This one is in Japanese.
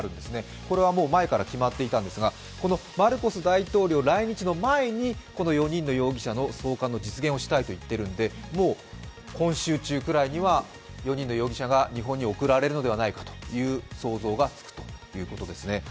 これは前から決まっていたんですが、このマルコス大統領来日の前にこの４人の容疑者の送還の実現をしたいと言ってるんでもう今週中くらいには４人の容疑者が日本に送られるのではないかという想像がつくということですね。